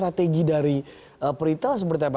jadi dari peritel seperti apa